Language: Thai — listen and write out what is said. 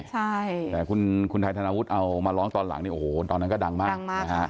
แต่คุณไทยธนาวุฒิเอามาร้องตอนหลังโอ้โหตอนนั้นก็ดังมาก